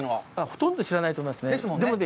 ほとんど知らないと思いますね。